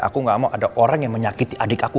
aku gak mau ada orang yang menyakiti adik aku